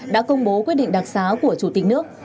đã công bố quyết định đặc xá của chủ tịch nước